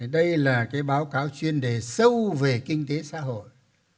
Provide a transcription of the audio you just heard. đây là báo cáo chuyên đề sâu về kinh tế xã hội